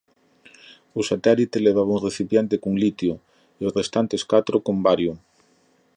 O satélite levaba un recipiente con litio e os restantes catro con bario.